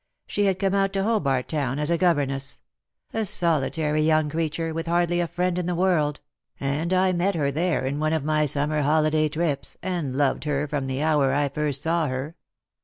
She had come out to Hobart Town as a governess ; a solitary young creature, with hardly a friend in the world ; and I met her there in one of my summer holiday trips, and loved her from the hour I first saw her.